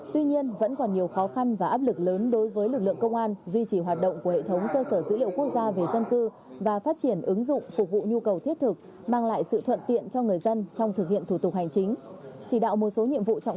tuy nhiên vẫn còn nhiều khó khăn và áp lực lớn đối với lực lượng công an duy trì hoạt động của hệ thống cơ sở dữ liệu quốc gia về dân cư và phát triển ứng dụng phục vụ nhu cầu thiết thực mang lại sự thuận tiện cho người dân trong thực hiện thủ tục hành chính